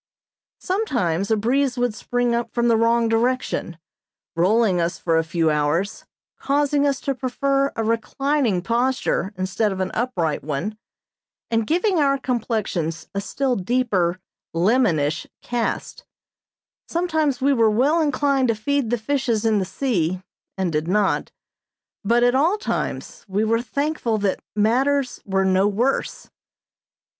Sometimes a breeze would spring up from the wrong direction, rolling us for a few hours, causing us to prefer a reclining posture instead of an upright one, and giving our complexions a still deeper lemonish cast; sometimes we were well inclined to feed the fishes in the sea, and did not; but at all times we were thankful that matters were no worse.